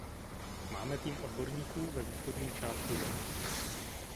Máme tým odborníků ve východní části země.